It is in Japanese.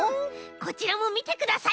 こちらもみてください！